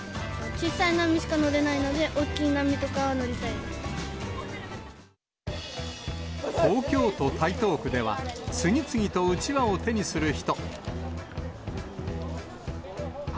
小さい波しか乗れないので、東京都台東区では、次々とうちわを手にする人。